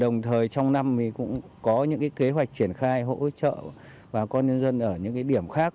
đồng thời trong năm thì cũng có những kế hoạch triển khai hỗ trợ bà con nhân dân ở những điểm khác